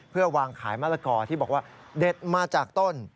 เพื่อวางขายมะละกอที่บอกว่าเด็ดมาจากต้น